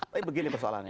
tapi begini persoalannya